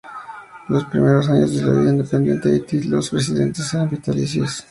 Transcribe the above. En los primeros años de la vida independiente de Haití, los presidentes eran vitalicios.